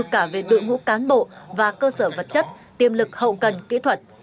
cả về đội ngũ cán bộ và cơ sở vật chất tiêm lực hậu cần kỹ thuật